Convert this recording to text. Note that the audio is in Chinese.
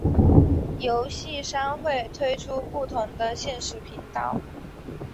游戏商会推出不同的限时频道。